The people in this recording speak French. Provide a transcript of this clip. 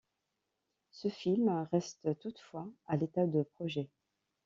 Ce film reste toutefois à l'état de projet.